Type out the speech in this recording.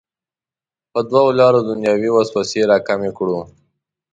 په دوو لارو دنیوي وسوسې راکمې کړو.